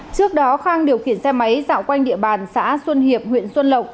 trước đó khang điều khiển xe máy dạo quanh địa bàn xã xuân hiệp huyện xuân lộc